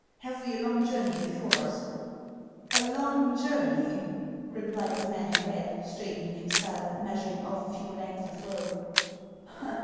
Have we a long journey before us ?" "A long journey !" replied the man in red, straighten ing himself, and measuring off a few lengths of rope.